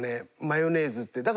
マヨネーズって。